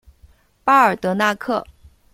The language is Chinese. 巴尔德纳克。